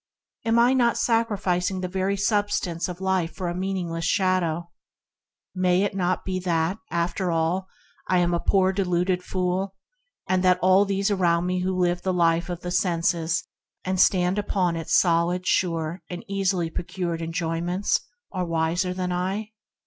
"Am I not sacrificing the very substance of life for a meaningless shadow?" "May it not be that I, after all, am a poor deluded person, and that all those around me who live the life of the senses and stand upon its solid, sure, and easily procured enjoyments are wiser than I